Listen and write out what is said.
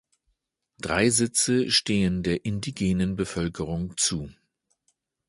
Drei Sitze stehen der indigenen Bevölkerung zu.